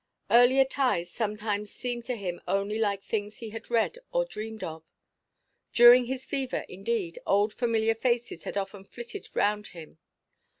Earlier ties sometimes seemed to him only like things he had read or dreamed of. During his fever, indeed, old familiar faces had often flitted round him.